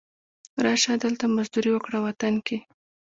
را شه، دلته مزدوري وکړه وطن کې